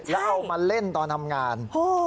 แล้วเอามาเล่นตอนทำงาน